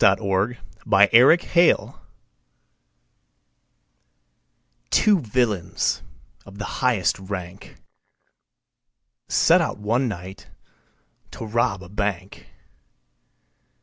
Ambrose Bierce Business TWO villains of the highest rank Set out one night to rob a bank.